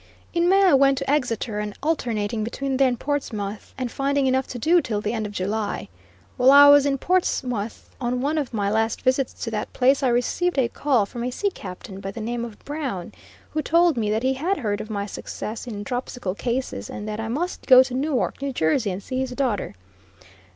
In May I went to Exeter, alternating between there and Portsmouth, and finding enough to do till the end of July. While I was in Portsmouth on one of my last visits to that place, I received a call from a sea captain by the name of Brown, who told me that he had heard of my success in dropsical cases, and that I must go to Newark, N. J., and see his daughter.